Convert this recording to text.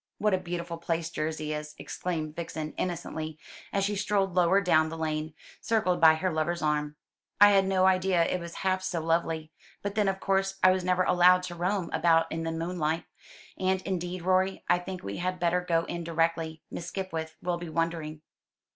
"What a beautiful place Jersey is!" exclaimed Vixen innocently, as she strolled lower down the lane, circled by her lover's arm. "I had no idea it was half so lovely. But then of course I was never allowed to roam about in the moonlight. And, indeed, Rorie, I think we had better go in directly. Miss Skipwith will be wondering."